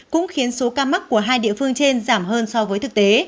cũng khiến số ca mắc của hai địa phương trên giảm hơn so với thực tế